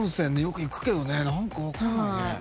よく行くけどね何か分かんないね。